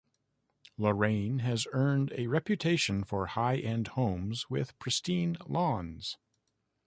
Lorraine has earned a reputation for high end homes with pristine lawns.